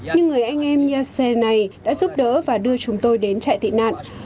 những người anh em như xe này đã giúp đỡ và đưa chúng tôi đến chạy tị nạn